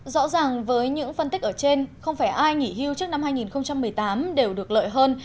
rõ ràng với những phân tích ở trên không phải ai nghỉ hưu trước năm hai nghìn một mươi tám đều được lợi hơn